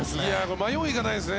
迷いがないですね